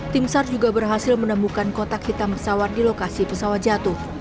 tim sar juga berhasil menemukan kotak hitam pesawat di lokasi pesawat jatuh